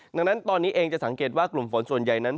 ดังนั้นตอนนี้เองจะสังเกตว่ากลุ่มฝนส่วนใหญ่นั้น